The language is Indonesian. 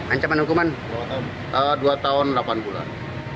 ancaman hukuman dua tahun delapan bulan